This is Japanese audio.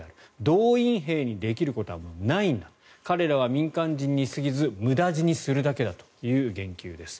動員兵にできることはないんだ彼らは民間人に過ぎず無駄死にするだけだという言及です。